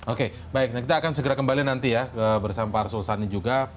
oke baik kita akan segera kembali nanti ya bersama pak arsul sani juga